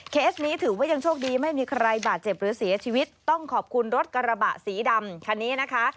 นี้ถือว่ายังโชคดีไม่มีใครบาดเจ็บหรือเสียชีวิตต้องขอบคุณรถกระบะสีดำคันนี้นะคะ